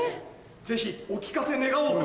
ぜひお聴かせ願おうか。